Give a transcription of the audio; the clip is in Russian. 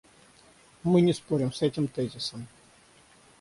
Мы не спорим с этим тезисом.